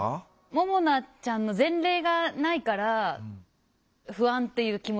ももなちゃんの前例がないから不安っていう気持ちも。